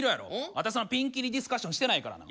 あたしそんなピンキリディスカッションしてないからな。